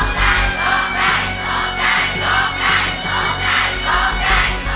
โทษให้โทษให้โทษให้